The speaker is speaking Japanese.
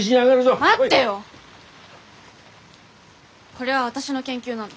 これは私の研究なの。